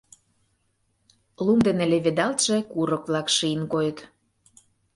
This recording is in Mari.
Лум дене леведалтше курык-влак шийын койыт.